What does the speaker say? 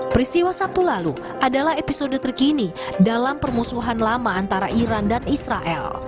peristiwa sabtu lalu adalah episode terkini dalam permusuhan lama antara iran dan israel